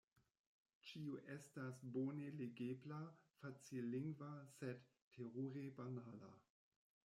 Ĉio estas bone legebla, facillingva, sed – terure banala!